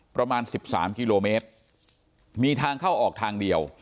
ประมาณ๑๓กิโลเมตรมีทางเข้าออกทางเดียว